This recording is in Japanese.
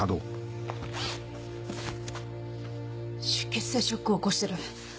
出血性ショックを起こしてる。